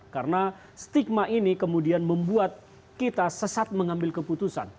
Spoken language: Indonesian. karena stigma ini kemudian membuat kita sesat mengambil keputusan